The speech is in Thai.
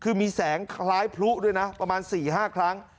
คือมีแสงคล้ายพลุด้วยนะประมาณ๔๕ครั้ง